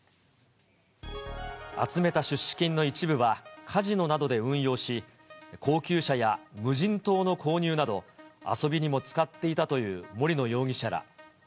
集めた出資金の一部はカジノなどで運用し、高級車や無人島の購入など、遊びにも使っていたという森野容疑者ら。